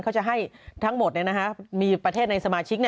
เขาจะให้ทั้งหมดมีประเทศในสมาชิก